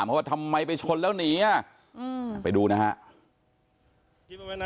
เพราะว่าทำไมไปชนแล้วหนีอ่ะไปดูนะฮะ